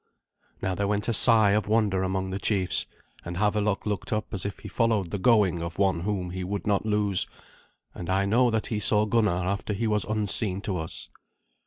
Now there went a sigh of wonder among the chiefs, and Havelok looked up as if he followed the going of one whom he would not lose, and I know that he saw Gunnar after he was unseen to us.